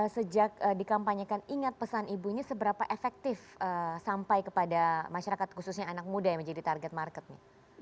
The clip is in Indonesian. sejak dikampanyekan ingat pesan ibunya seberapa efektif sampai kepada masyarakat khususnya anak muda yang menjadi target market nih